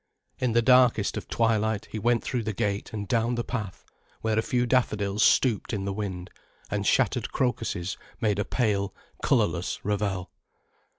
In the darkest of twilight, he went through the gate and down the path where a few daffodils stooped in the wind, and shattered crocuses made a pale, colourless ravel.